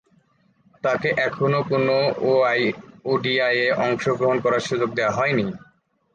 তাকে এখনো কোন ওডিআইয়ে অংশগ্রহণ করার সুযোগ দেয়া হয়নি।